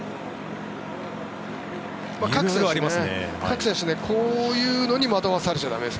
各選手、こういうのに惑わされては駄目です。